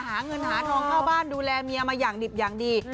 หาเงินหาทองเข้าบ้านดูแลเมียมาอย่างดิบอย่างดี